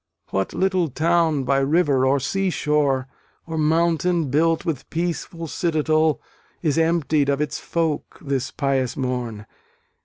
What little town by river or sea shore, Or mountain built with peaceful citadel, Is emptied of its folk, this pious morn?